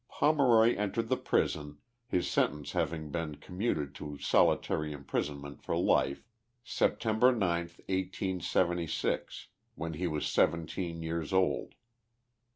Pomeroy entered the prison, his sentence having been com muted to solitary imprisonment for life, Sept. 9, 1S70, when he was seventeen years old.